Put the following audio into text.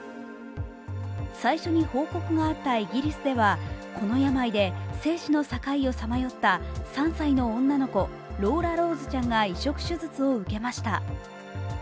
最初に報告があったイギリスではこの病で生死の境をさまよった３歳の女の子・ローラローズちゃんが移植手術を受けました。